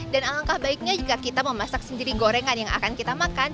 dan alangkah baiknya juga kita memasak sendiri gorengan yang akan kita makan